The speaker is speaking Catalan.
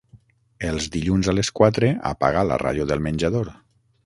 Els dilluns a les quatre apaga la ràdio del menjador.